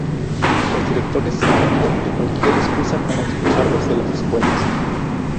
Los directores se valían de cualquier excusa para expulsarlos de las escuelas.